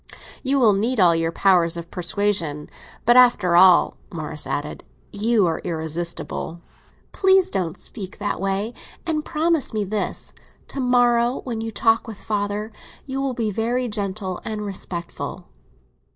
"You will need all your powers of persuasion. But, after all," Morris added, "you are irresistible." "Please don't speak that way—and promise me this. To morrow, when you talk with father, you will be very gentle and respectful."